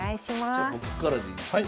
じゃ僕からでいいんですか？